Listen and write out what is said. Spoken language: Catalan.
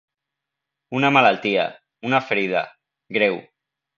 Una malaltia, una ferida, greu.